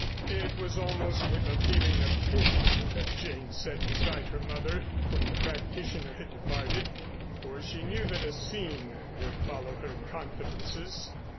It was almost with a feeling of pity that Jane sat beside her mother when the practitioner had departed, for she knew that a scene would follow her confidences.